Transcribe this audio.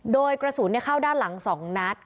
โดยกระสูญเนี่ยเข้าด้านหลังสองนัด